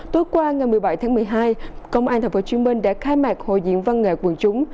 tối qua ngày một mươi bảy tháng một mươi hai công an tp hcm đã khai mạc hội diễn văn nghệ quần chúng